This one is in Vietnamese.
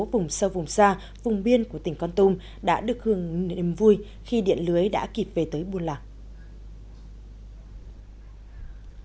vùng sâu vùng xa vùng biên của tỉnh con tum đã được hưởng niềm vui khi điện lưới đã kịp về tới buôn lạc